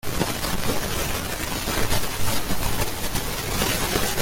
Este nuevo desarrollo consiguió la medalla de oro en la exposición de Torino.